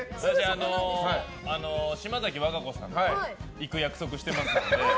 島崎和歌子さんと行く約束してますので。